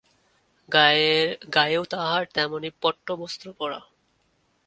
গায়েও তাহার তেমনি পট্টবস্ত্র পরা।